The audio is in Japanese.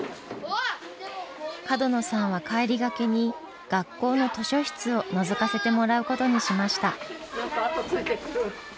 角野さんは帰りがけに学校の図書室をのぞかせてもらうことにしました。